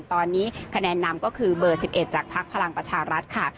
ตอนนี้คะแนนนำก็คือเบอร์๑๑จากพักพลังประชารัฐค่ะ